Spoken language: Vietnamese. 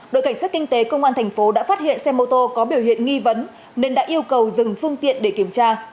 đội cảnh sát kinh tế công an thành phố đã phát hiện xe mô tô có biểu hiện nghi vấn nên đã yêu cầu dừng phương tiện để kiểm tra